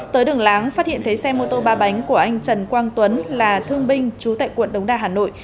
tới đường láng phát hiện thấy xe mô tô ba bánh của anh trần quang tuấn là thương binh chú tại quận đống đa hà nội